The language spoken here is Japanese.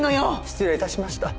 失礼致しました。